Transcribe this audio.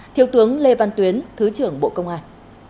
thiếu tướng lê văn tuyến thứ trưởng bộ công an